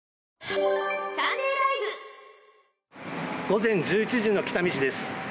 午前１１時の北見市です。